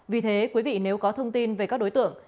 vì thế quý vị nếu có thông tin về các đối tượng